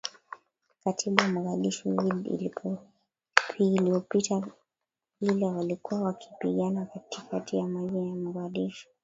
katikati ya mogadishu idd iliopita ile walikuwa wakipigana katikati ya mji wa mogadishu